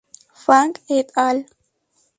Fang "et al.